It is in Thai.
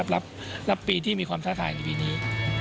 รับปีที่มีความท้าทายในปีนี้